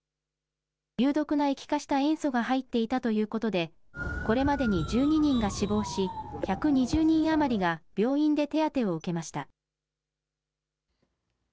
有毒な液化した塩素が入っていたということでこれまでに１２人が死亡し１２０人余りが病院で手当てを受けました。